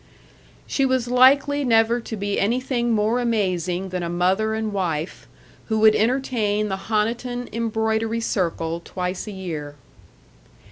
She was likely never to be anything more amazing than a mother and wife, who would entertain the Honiton Embroidery Circle twice a year.